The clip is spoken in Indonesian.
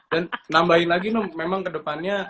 dan nambahin lagi memang kedepannya